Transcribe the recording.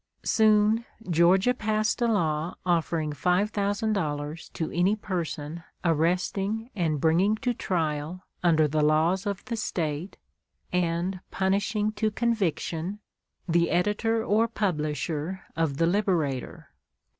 Soon Georgia passed a law offering $5,000 to any person arresting and bringing to trial, under the laws of the State, and punishing to conviction, the editor or publisher of the "Liberator."